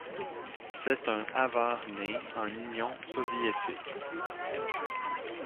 C'est un Avar né en Union soviétique.